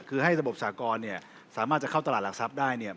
คือให้ระบบสากรเนี่ยสามารถจะเข้าตลาดหลักทรัพย์ได้เนี่ย